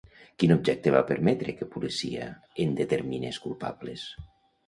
Quin objecte va permetre que policia en determinés culpables?